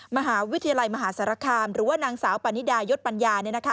มหาวิทยาลัยมหาสารคามหรือว่านางสาวปานิดายศปัญญา